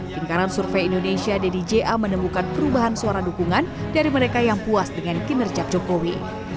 lingkaran survei indonesia dd ja menemukan perubahan suara dukungan dari mereka yang puas dengan kinerja jokowi